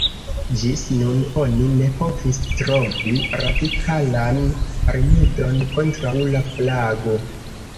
Ĝis nun oni ne povis trovi radikalan rimedon kontraŭ la plago.